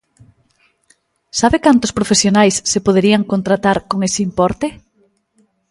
¿Sabe cantos profesionais se poderían contratar con ese importe?